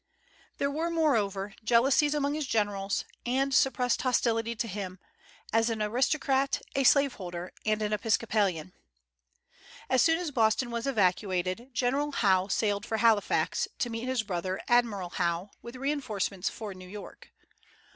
There were, moreover, jealousies among his generals, and suppressed hostility to him, as an aristocrat, a slaveholder, and an Episcopalian. As soon as Boston was evacuated General Howe sailed for Halifax, to meet his brother, Admiral Howe, with reinforcements for New York.